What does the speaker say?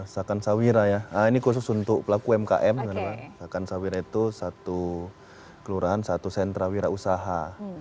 sakan sawira ya ini khusus untuk pelaku umkm sakan sawira itu satu kelurahan satu sentra wira usaha